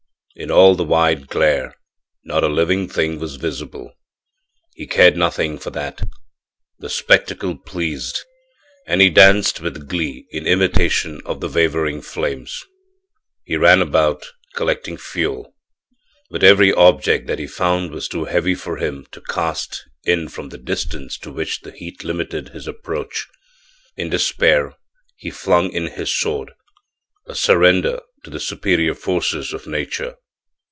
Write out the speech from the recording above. In all the wide glare not a living thing was visible. He cared nothing for that; the spectacle pleased, and he danced with glee in imitation of the wavering flames. He ran about, collecting fuel, but every object that he found was too heavy for him to cast in from the distance to which the heat limited his approach. In despair he flung in his sword a surrender to the superior forces of nature.